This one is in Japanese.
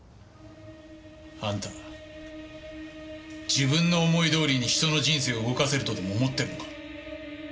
あんた自分の思い通りに人の人生を動かせるとでも思ってるのか？